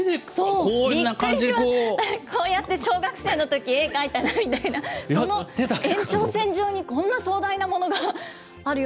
こうやって小学生のとき、絵描いたなみたいな、その延長線上に、こんな壮大なものがあるよ